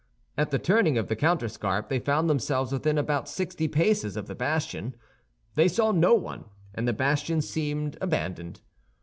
At the turning of the counterscarp they found themselves within about sixty paces of the bastion. They saw no one, and the bastion seemed abandoned.